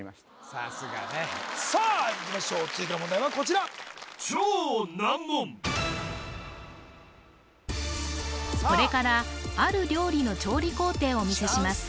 さすがねさあいきましょう続いての問題はこちらこれからある料理の調理工程をお見せします